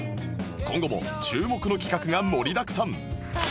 今後も注目の企画が盛りだくさん